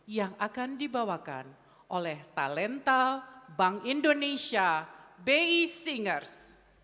yang akan dibawakan oleh talenta bank indonesia bi singers